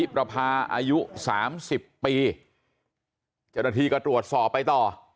ประพาอายุ๓๐ปีเจ้าหน้าที่ก็ตรวจสอบไปต่อ